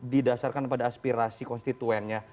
didasarkan pada aspirasi konstituennya